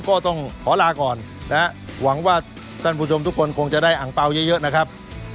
ก็ต้องขอลาก่อนนะฮะหวังว่าท่านผู้ชมทุกคนคงจะได้อังเปล่าเยอะนะครับ